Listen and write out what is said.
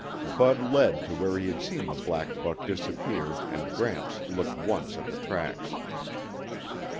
Bud led to where he had seen the black buck disappear and Gramps looked once at the tracks.